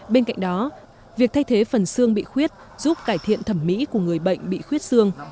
bên cạnh đó việc thay thế phần xương bị khuyết giúp cải thiện thẩm mỹ của người bệnh bị khuyết xương